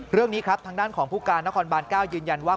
เรื่องนี้ครับทางด้านของผู้การนครบาน๙ยืนยันว่า